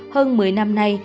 hơn một mươi năm nay